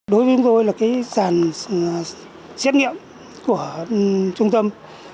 đối với chúng tôi là sàn xét nghiệm của trung tâm